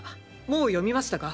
もう読みましたか？